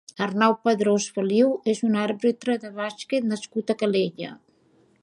Arnau Padrós Feliu és un àrbitre de bàsquet nascut a Calella.